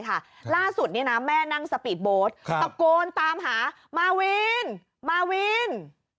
ค่ะล่าสุดที่น้ำแม่นางสปีดโบสถ์คงตามหามาวินมาเวร